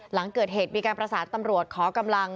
หลังเกิดเหตุมีการประสานตำรวจขอกำลัง